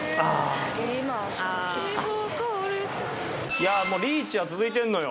いやもうリーチは続いてるのよ。